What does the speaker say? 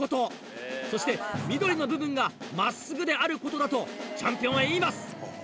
そして緑の部分が真っすぐであることだとチャンピオンは言います。